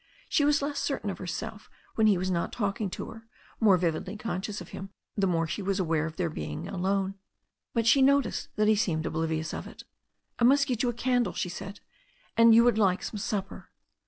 She was less certain of herself when he was not talking to her, more vividly conscious of him the more she was aware of their being there alone. But she noticed that he seemed oblivious of it. "I must get you a candle," she said. "And you would like some supper."